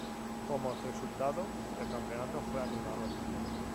Como resultado, el campeonato fue anulado.